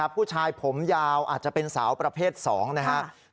ผู้ชายผมยาวอาจจะเป็นสาวประเภท๒นะครับ